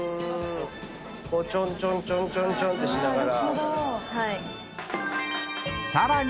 こうちょんちょんちょんちょんちょんってしながら。